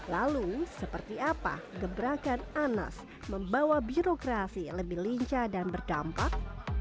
lalu seperti apa gebrakan anas membawa birokrasi lebih lincah dan berdampak